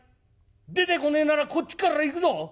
出てこねえならこっちから行くぞ。